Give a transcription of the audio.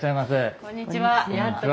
こんにちは。